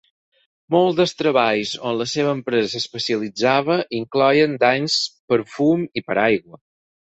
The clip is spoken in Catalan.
Molts dels treballs on la seva empresa s'especialitzava incloïen danys per fum i per aigua.